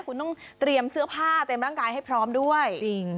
คุณต้องเตรียมเสื้อผ้าเตรียมร่างกายให้พร้อมด้วยจริง